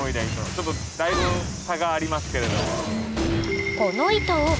ちょっとだいぶ差がありますけれども。